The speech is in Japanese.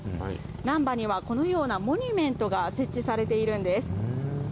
難波には、このようなモニュメントが設置されているんです。